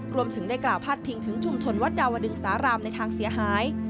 รวมถึงได้กล่าวพาดพิงถึงชุมชนวัดดาวดึงสารามในทางเสียหาย